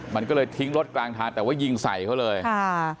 มันก็เลยทิ้งรถกลางทางแต่ว่ายิงใส่เขาเลยค่ะ